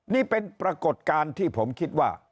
นี่เป็นปรากฏการณ์ที่ผมคิดว่า